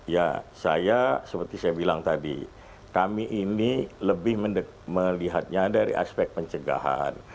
ya saya seperti saya bilang tadi kami ini lebih melihatnya dari aspek pencegahan